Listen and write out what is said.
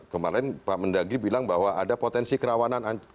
kemarin pak mendagri bilang bahwa ada potensi kerawanan